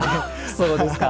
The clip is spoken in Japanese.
そうですか。